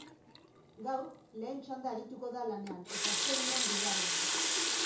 Gaur, lehen txanda arituko da lanean, eta ostegunean, bigarrena.